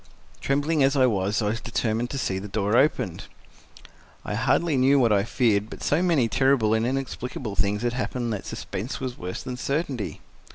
Trembling as I was, I was determined to see that door opened. I hardly knew what I feared, but so many terrible and inexplicable things had happened that suspense was worse than certainty.